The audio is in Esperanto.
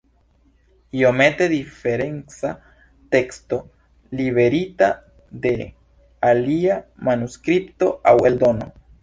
Iomete diferenca teksto, liverita de alia manuskripto aŭ eldono.